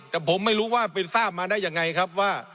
แต่ผมไม่รู้ว่าเป็นทราบมาได้ยังไงครับว่า